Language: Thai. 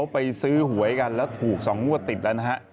ไปซื้อหวยกันแล้วถูก๒งวดติดแล้วนะฮะ